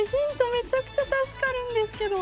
めちゃくちゃ助かるんですけど。